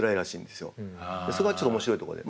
そこはちょっと面白いとこで。